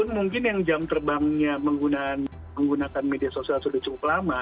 mungkin yang jam terbangnya menggunakan media sosial sudah cukup lama